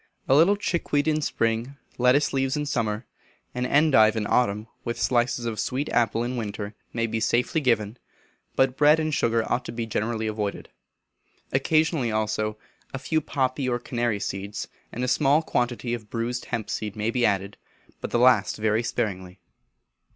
A little chickweed in spring, lettuce leaves in summer, and endive in autumn, with slices of sweet apple in winter, may be safely given; but bread and sugar ought to be generally avoided. Occasionally, also, a few poppy or canary seeds, and a small quantity of bruised hemp seed may be added, but the last very sparingly.